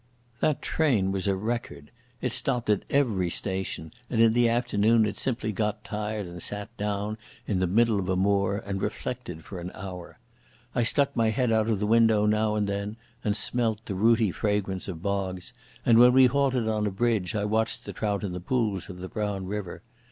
That train was a record. It stopped at every station, and in the afternoon it simply got tired and sat down in the middle of a moor and reflected for an hour. I stuck my head out of the window now and then, and smelt the rooty fragrance of bogs, and when we halted on a bridge I watched the trout in the pools of the brown river.